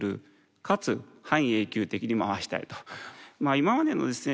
今までのですね